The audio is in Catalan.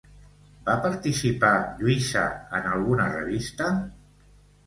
Va participar Lluïsa en alguna revista?